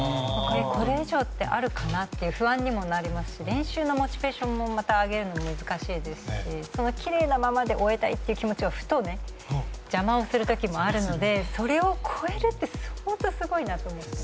これ以上ってあるかなっていう不安にもなりますし練習のモチベーションも上げるのも難しいですしそのきれいなままで終えたいという気持ちがふと邪魔をする時もあるのでそれを超えるって本当にすごいなと思います。